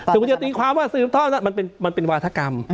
สถานการณ์มันเป็นวาฒะกรรม